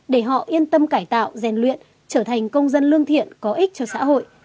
để họ yên tâm cải tạo rèn luyện trở thành công dân lương thiện có ích cho xã hội